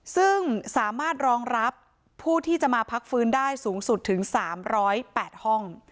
ซึ่งสามารถรองรับผู้ที่จะมาพักฟื้นได้สูงสุดถึง๓๐๘ห้อง